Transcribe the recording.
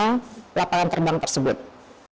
merisau tapongera yaman oman oman amleng